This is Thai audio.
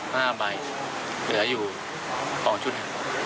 ห้าใบเดี๋ยวเอาอยู่ยอของชุดหนึ่ง